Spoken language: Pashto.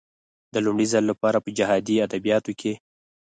د لومړي ځل لپاره په جهادي ادبياتو کې.